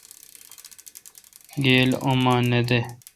گیل ام نہ دہ۔